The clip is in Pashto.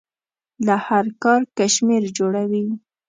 له هر کار کشمیر جوړوي.